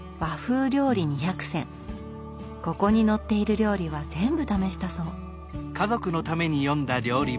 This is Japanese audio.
ここに載っている料理は全部試したそう。